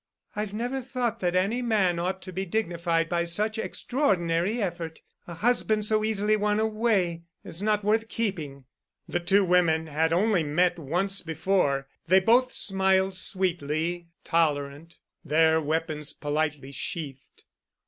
"I've never thought that any man ought to be dignified by such extraordinary effort. A husband so easily won away is not worth keeping." The two women had only met once before. They both smiled, sweetly tolerant, their weapons politely sheathed.